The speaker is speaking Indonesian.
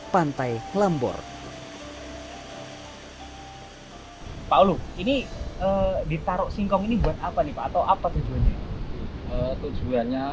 pantai klambor pak ulu ini ditaruh singkong ini buat apa nih pak atau apa tujuannya tujuannya